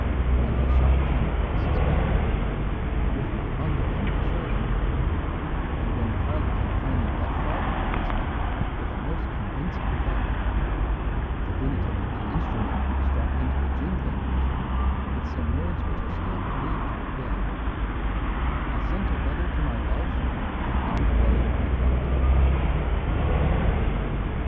When he shuffled him across his back, "With my bundle on my shoulder," and when the harlequin finally let fall the policeman with a most convincing thud, the lunatic at the instrument struck into a jingling measure with some words which are still believed to have been, "I sent a letter to my love and on the way I dropped it."